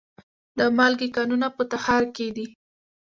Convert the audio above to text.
د مالګې کانونه په تخار کې دي